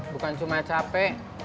bukan cuma capek